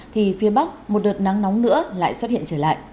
thì phía bắc một đợt nắng nóng nữa lại xuất hiện trở lại